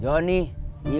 ini tanggung jawab kalian